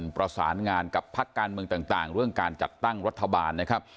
ประสานงานกับพักการเมืองต่างเรื่องการจัดตั้งรัฐบาลนะครับ